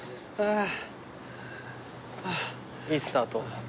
いいスタート。